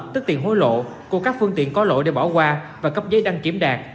tức tiền hối lộ của các phương tiện có lỗi để bỏ qua và cấp giấy đăng kiểm đạt